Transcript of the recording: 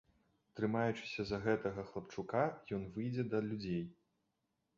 Трымаючыся за гэтага хлапчука, ён выйдзе да людзей.